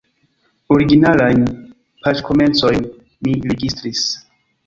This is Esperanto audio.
Originalajn paĝkomencojn mi registris.